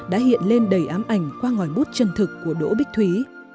đã hiện lên đầy ám ảnh qua ngòi bút chân thực của đỗ bích thúy